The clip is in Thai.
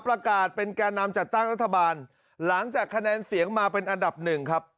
ประกาศเป็นแก่นำจัดตั้งรัฐบาลหลังจากคะแนนเสียงมาเป็นอันดับหนึ่งครับ